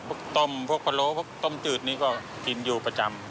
ต้มพวกพะโล้พวกต้มจืดนี่ก็กินอยู่ประจำ